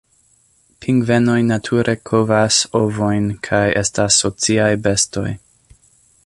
Pingvenoj nature kovas ovojn kaj estas sociaj bestoj.